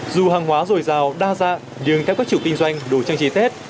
dù hàng hóa dồi dào đa dạng nhưng theo các chủ kinh doanh đủ trang trí tết